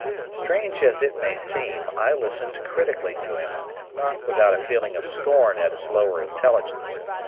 Strange as it may seem, I listened critically to him, not without a feeling of scorn at his lower intelligence.